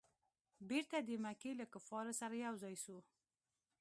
بیرته د مکې له کفارو سره یو ځای سو.